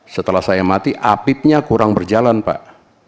setelah saya mati apipnya kurang berjalan pak